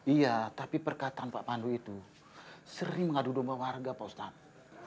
iya tapi perkataan pak pandu itu sering mengadu domba warga pak ustadz